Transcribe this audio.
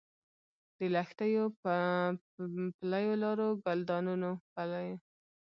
د لښتیو، پلیو لارو، ګلدانونو